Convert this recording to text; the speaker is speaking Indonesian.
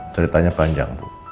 ceritanya panjang bu